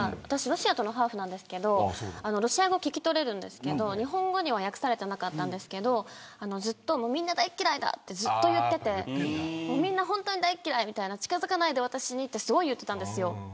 私ロシアとのハーフなんですけどロシア語聞き取れるんですけど日本語には訳されてなかったんですけどずっと、みんな大っ嫌いだってずっと言っててみんな本当に大っ嫌いみたいな近づかないで私にってすごい言ってたんですよ。